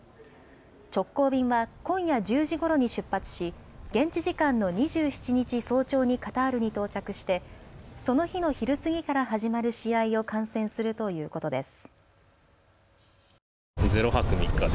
直行便は今夜１０時ごろに出発し現地時間の２７日早朝にカタールに到着してその日の昼過ぎから始まる試合を観戦するということです。